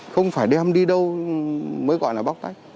không phải đem đi đâu mới gọi là bóc tách